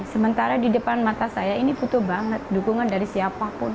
sementara di depan mata saya ini butuh banget dukungan dari siapapun